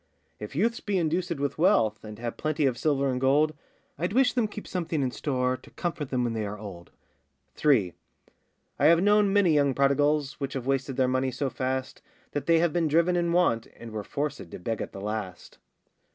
If youths be inducèd with wealth, And have plenty of silver and gold, I'd wish them keep something in store, To comfort them when they are old. 3. I have known many young prodigals, Which have wasted their money so fast, That they have been driven in want, And were forcèd to beg at the last.